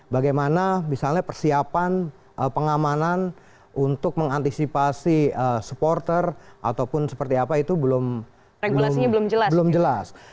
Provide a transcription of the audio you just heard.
bagaimana misalnya persiapan pengamanan untuk mengantisipasi supporter ataupun seperti apa itu belum jelas